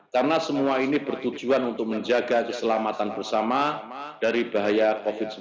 karena semua ini bertujuan untuk menjaga keselamatan bersama dari bahaya covid sembilan belas